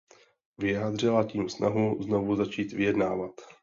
Vyjádřila tím snahu znovu začít vyjednávat.